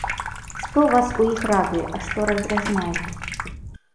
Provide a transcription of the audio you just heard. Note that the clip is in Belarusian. Што вас у іх радуе, а што раздражняе?